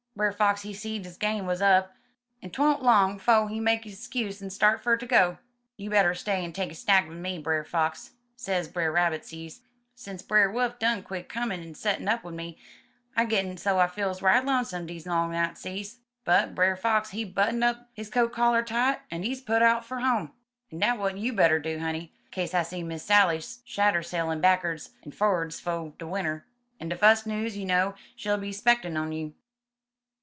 Brer Fox, he seed his game wuz up, en 'twa'nt long 'fo' he make his 'skuse en start fer ter go. '* 'You better stay en take a snack wid me, Brer Fox,* sez Brer Rabbit, sezee. 'Sense Brer Wolf done quit comin' en settin' up wid me, I gittin' so I feels right lonesome dese long nights,' sezee. '*But Brer Fox, he button up his coat collar tight en des put out fer home. En dat w'at you better do, honey, kase I see Miss Sally's shadder sailin' backerds en for'ds 'fo' de winder, en de fus' news you know she'll be spectin' un you."